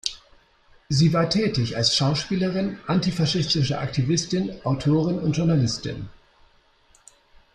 Sie war tätig als Schauspielerin, antifaschistische Aktivistin, Autorin und Journalistin.